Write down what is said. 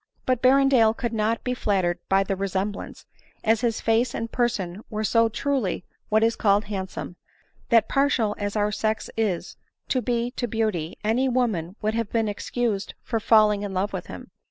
But Berrendale could not be„ flattered by the resem Dlance, as his face and person were so truly what is called handsome, that, partial as our sex is said to be to beauty, any woman would have been excused for falling in love with him.